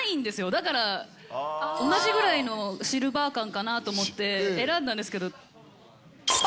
だから同じくらいのシルバー感かなと思って、選んだんですけど。